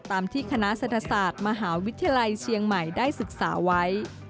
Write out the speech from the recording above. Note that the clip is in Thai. ตามที่คณะเศรษฐศาสตร์มหาวิทยาลัยเชียงใหม่ได้ศึกษาไว้